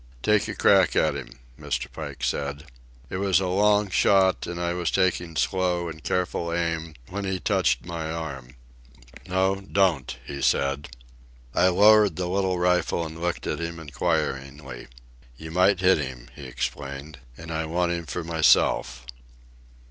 "Take a crack at 'm," Mr. Pike said. It was a long shot, and I was taking slow and careful aim, when he touched my arm. "No; don't," he said. I lowered the little rifle and looked at him inquiringly. "You might hit him," he explained. "And I want him for myself."